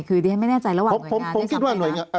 คือเรียนไม่แน่ใจระหว่างหน่วยงานได้ทำอะไรนะครับ